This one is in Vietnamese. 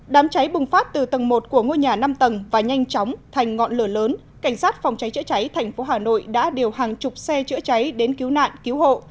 đám cháy bùng phát từ tầng một của ngôi nhà năm tầng và nhanh chóng thành ngọn lửa lớn cảnh sát phòng cháy chữa cháy thành phố hà nội đã điều hàng chục xe chữa cháy đến cứu nạn cứu hộ